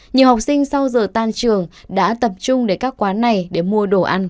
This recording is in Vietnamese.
nhiều học sinh sau giờ tan trường đã tập trung đến các quán này để mua đồ ăn